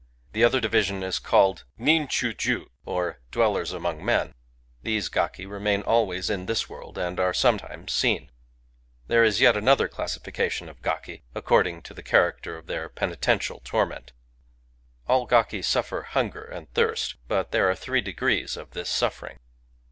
The other division is called Nin chu juy or " Dwellers among men ": these gaki remain always in this worlds and are sometimes seen. There is yet another classification of gaki, accord ing to the character of their penitential torment. Digitized by Googk i88 GAKI All_gaki sufFcr hunger and thirst; but there are three degrees of this suffering.